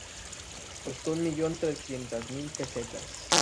Costó un millón trescientas mil pesetas.